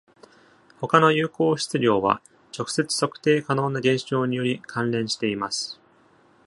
他の有効質量は、直接測定可能な現象により関連しています。